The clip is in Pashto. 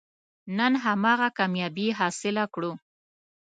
نن هماغه کامیابي حاصله کړو.